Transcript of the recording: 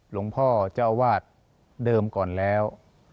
หลวงพ่อเจ้าวาดเดิมก่อนแล้ว